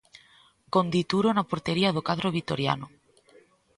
Con Dituro na portería do cadro vitoriano.